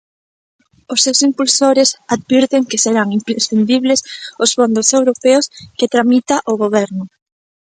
Os seus impulsores advirten que serán imprescindibles os fondos europeos que tramita o Goberno.